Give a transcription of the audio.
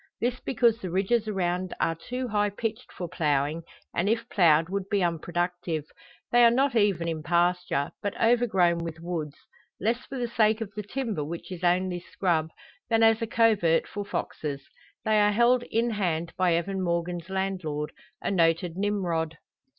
This because the ridges around are too high pitched for ploughing, and if ploughed would be unproductive. They are not even in pasture, but overgrown with woods; less for the sake of the timber, which is only scrub, than as a covert for foxes. They are held in hand by Evan Morgan's landlord a noted Nimrod.